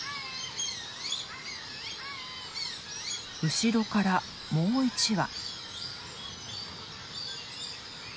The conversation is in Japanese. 後ろからもう一羽。